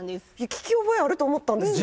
聞き覚えあると思ったんですよ。